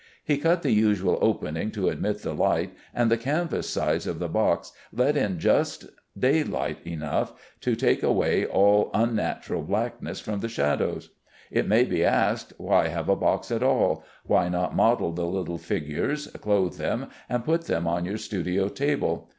He cut the usual opening to admit the light, and the canvas sides of the box let in just daylight enough to take away all unnatural blackness from the shadows. It may be asked: Why have a box at all? Why not model the little figures, clothe them, and put them on your studio table?